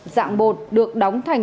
dạng bột được đóng thành